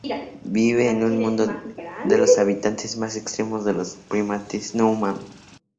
Vive en uno de los ambientes más extremos de los primates no humanos.